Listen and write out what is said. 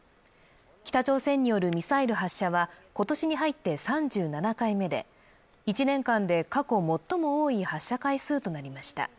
北朝鮮によるミサイル発射は今年に入って３７回目で１年間で過去最も多い発射回数となりました。